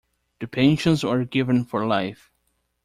The pensions are given for life.